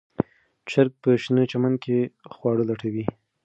چرګه په شنه چمن کې خواړه لټوي.